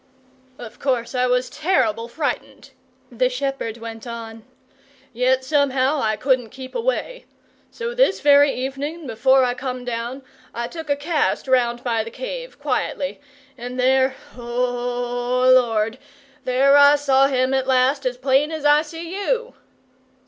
"Of course I was terrible frightened," the shepherd went on; "yet somehow I couldn't keep away. So this very evening, before I come down, I took a cast round by the cave, quietly. And there O Lord! there I saw him at last, as plain as I see you!"